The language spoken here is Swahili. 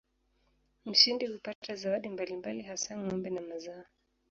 Mshindi hupata zawadi mbalimbali hasa ng'ombe na mazao.